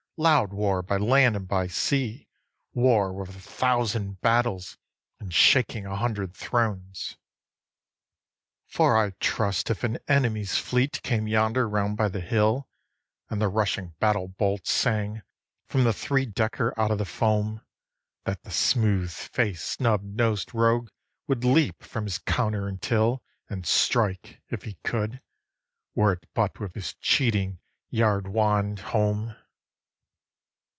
loud war by land and by sea, War with a thousand battles, and shaking a hundred thrones. 13. For I trust if an enemy's fleet came yonder round by the hill, And the rushing battle bolt sang from the three decker out of the foam, That the smoothfaced snubnosed rogue would leap from his counter and till, And strike, if he could, were it but with his cheating yardwand, home.